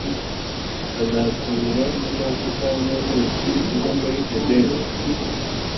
bazatungwa n amavuta n ubuki bwo muri edeni